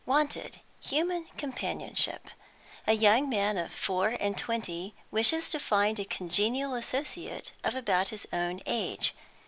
"WANTED, human companionship. A young man of four and twenty wishes to find a congenial associate of about his own age.